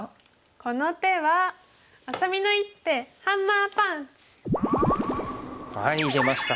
この手はあさみの一手ハンマーパンチ！出ました